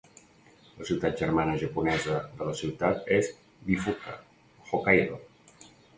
La ciutat germana japonesa de la ciutat és Bifuka, Hokkaido.